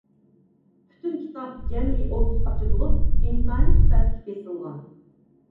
پۈتۈن كىتاب جەمئىي ئوتتۇز پارچە بولۇپ، ئىنتايىن سۈپەتلىك بېسىلغان.